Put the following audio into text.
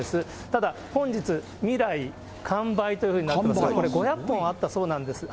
ただ本日、味来完売ということになってて、これ、５００本あったそうです。